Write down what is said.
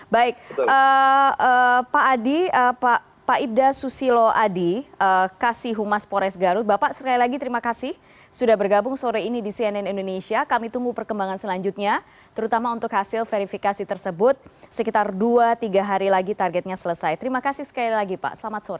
baik pak adi pak ibda susilo adi kasih humas pores garut bapak sekali lagi terima kasih sudah bergabung sore ini di cnn indonesia kami tunggu perkembangan selanjutnya terutama untuk hasil verifikasi tersebut sekitar dua tiga hari lagi targetnya selesai terima kasih sekali lagi pak selamat sore